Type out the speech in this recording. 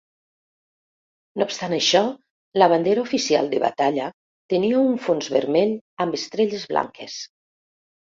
No obstant això, la bandera oficial de batalla tenia un fons vermell amb estrelles blanques.